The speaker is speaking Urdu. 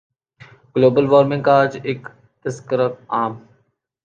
گلوبل وارمنگ کا آج کل تذکرہ عام